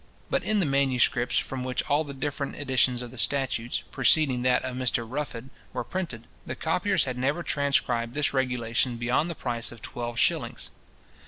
But in the manuscripts from which all the different editions of the statutes, preceding that of Mr Ruffhead, were printed, the copiers had never transcribed this regulation beyond the price of twelve shillings.